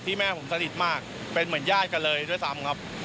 แม่ผมสนิทมากเป็นเหมือนญาติกันเลยด้วยซ้ำครับ